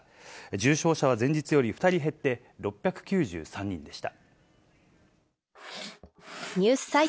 重症者は前日より２人減って６９３人でした。